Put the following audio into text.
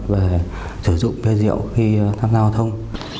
về sử dụng bia rượu khi tham gia giao thông